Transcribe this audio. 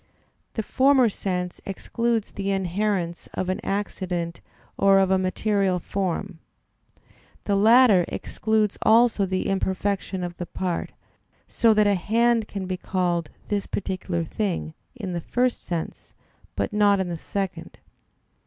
The former sense excludes the inherence of an accident or of a material form; the latter excludes also the imperfection of the part, so that a hand can be called "this particular thing" in the first sense, but not in the second.